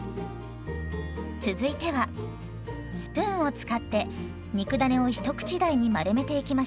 続いてはスプーンを使って肉だねを一口大に丸めていきましょう。